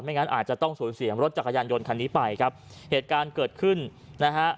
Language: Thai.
งั้นอาจจะต้องสูญเสียรถจักรยานยนต์คันนี้ไปครับเหตุการณ์เกิดขึ้นนะฮะ